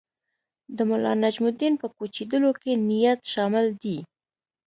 د ملانجم الدین په کوچېدلو کې نیت شامل دی.